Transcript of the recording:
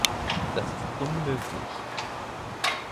Das ist unmöglich!